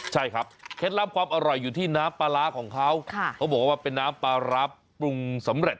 ใช่ครับเคล็ดลับความอร่อยอยู่ที่น้ำปลาร้าของเขาเขาบอกว่าเป็นน้ำปลาร้าปรุงสำเร็จ